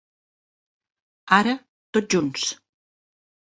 Ara, tots junts.